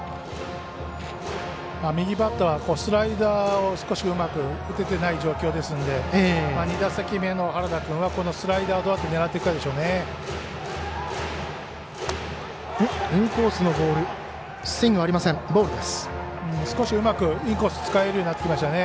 右バッターはスライダーをうまく打てていない状況ですので２打席目の原田君は、このスライダーをどう狙っていくかでしょうね。